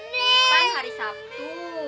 sempan hari sabtu